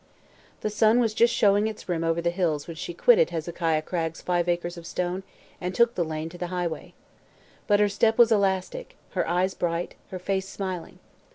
The sun was just showing its rim over the hills when she quitted Hezekiah Cragg's five acres of stones and took the lane to the highway. But her step was elastic, her eyes bright, her face smiling.